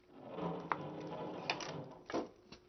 圣米歇尔德拉罗埃人口变化图示